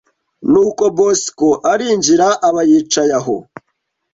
ni uko Bosco arinjira aba yicaye aho